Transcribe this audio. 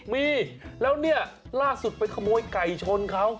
มีแล้วเนี่ยล่าสุดไปขโมยไก่ชนเขา